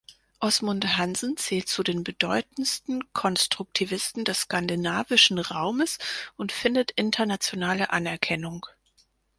Osmund Hansen zählt zu den bedeutendsten Konstruktivisten des skandinavischen Raumes und findet internationale Anerkennung.